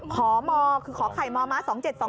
ขอมอคือขอไขมอมา๒๗๒๔